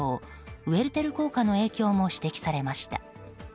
ウェルテル効果の影響も指摘されました。